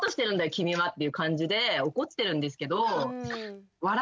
君はっていう感じで怒ってるんですけど笑ってるんですよね。